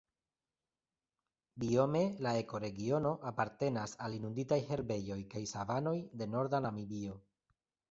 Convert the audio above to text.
Biome la ekoregiono apartenas al inunditaj herbejoj kaj savanoj de norda Namibio.